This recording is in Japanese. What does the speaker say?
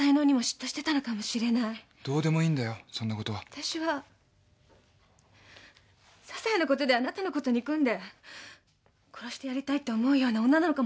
あたしはささいなことであなたのこと憎んで殺してやりたいって思うような女なのかもしれない。